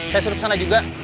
saya suruh kesana juga